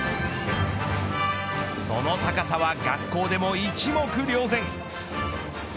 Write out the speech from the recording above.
その高さは学校でも一目瞭然。